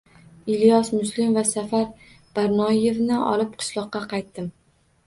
Ilyos Muslim va Safar Barnoyevni olib qishloqqa qaytdim